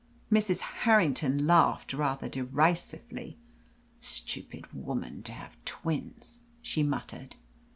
Mrs. Harrington laughed rather derisively. "Stupid woman to have twins," she muttered.